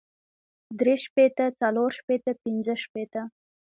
درې شپېته څلور شپېته پنځۀ شپېته